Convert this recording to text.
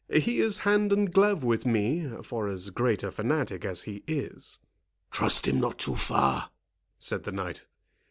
He is hand and glove with me, for as great a fanatic as he is." "Trust him not too far," said the knight.